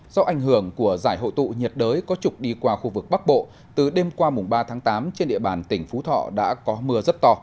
do ảnh hưởng của giải hội tụ nhiệt đới có trục đi qua khu vực bắc bộ từ đêm qua ba tháng tám trên địa bàn tỉnh phú thọ đã có mưa rất to